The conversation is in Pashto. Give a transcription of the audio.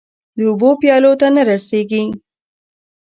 د اوبو پیالو ته نه رسيږې